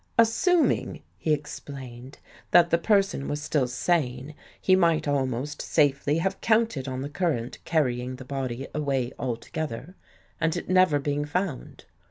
" Assuming," he explained, " that the person was still sane, he might almost safely have counted on the current carrying the body away altogether and never being found.